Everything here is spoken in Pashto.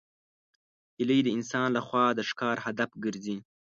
هیلۍ د انسان له خوا د ښکار هدف ګرځي